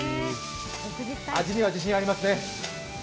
味には自信ありますね？